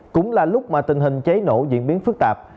cũng là lúc mà tình hình cháy nổ diễn biến phức tạp